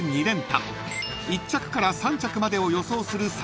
２連単１着から３着までを予想する